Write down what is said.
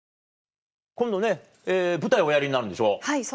今度ね舞台おやりになるんでしょ？